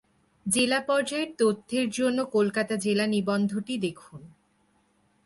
জেলা পর্যায়ের তথ্যের জন্য কলকাতা জেলা নিবন্ধটি দেখুন।